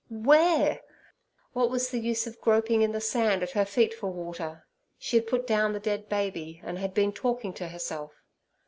Where? What was the use of groping in the sand at her feet for water; she had put down the dead baby, and had been talking to herself.